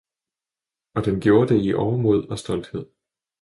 og den gjorde det i overmod og stolthed.